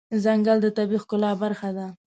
ځنګل د طبیعي ښکلا برخه ده.